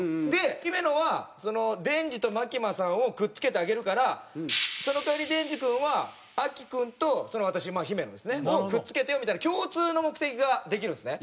姫野はデンジとマキマさんをくっつけてあげるからその代わりデンジ君はアキ君と私まあ姫野ですねをくっつけてよみたいな共通の目的ができるんですね。